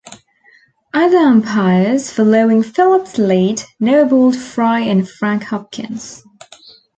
Other umpires, following Phillips' lead, no-balled Fry and Frank Hopkins.